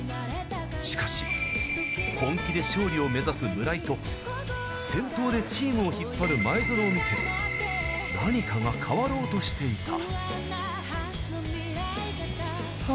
しかし本気で勝利を目指す村井と先頭でチームを引っ張る前園を見て何かが変わろうとしていた。